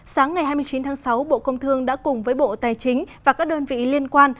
sáng ngày hai mươi chín tháng sáu bộ công thương đã cùng với bộ tài chính và các đơn vị liên quan